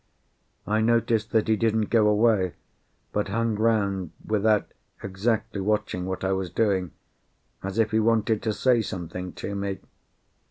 I noticed that he didn't go away, but hung round without exactly watching what I was doing, as if he wanted to say something to me.